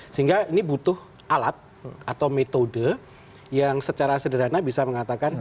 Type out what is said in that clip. sehingga ini butuh alat atau metode yang secara sederhana bisa mengatakan